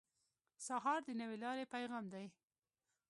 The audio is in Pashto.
سهار د نوې لارې پیغام دی.